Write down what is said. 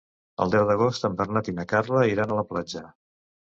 El deu d'agost en Bernat i na Carla iran a la platja.